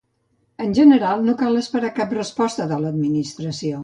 En general, no cal esperar cap resposta de l'Administració.